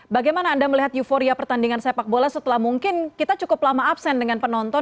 bagaimana anda melihat euforia pertandingan sepak bola setelah mungkin kita cukup lama absen dengan penonton